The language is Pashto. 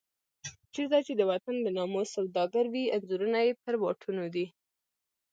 چېرته چې د وطن د ناموس سوداګر وي انځورونه یې پر واټونو دي.